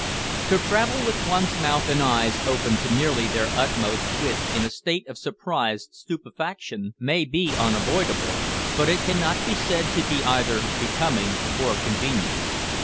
To travel with one's mouth and eyes opened to nearly their utmost width in a state of surprised stupefaction, may be unavoidable, but it cannot be said to be either becoming or convenient.